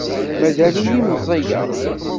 Mazal-iyi meẓẓiyeɣ.